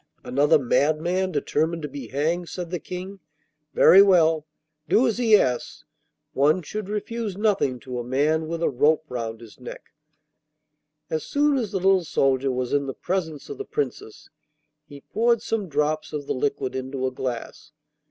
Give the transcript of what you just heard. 'Another madman determined to be hanged,' said the King. 'Very well, do as he asks; one should refuse nothing to a man with a rope round his neck.' As soon as the little soldier was in the presence of the Princess he poured some drops of the liquid into a glass.